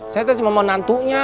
saya tadi cuma mau nantunya